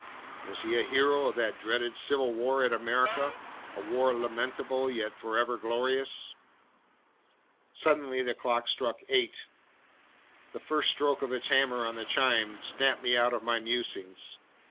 Was he a hero of that dreadful civil war in America, a war lamentable yet forever glorious ...? Suddenly the clock struck eight. The first stroke of its hammer on the chime snapped me out of my musings.